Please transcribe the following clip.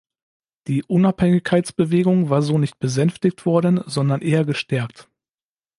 Die Unabhängigkeitsbewegung war so nicht besänftigt worden, sondern eher gestärkt.